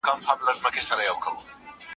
اعتدال د اسلامي ژوندانه اصل دی.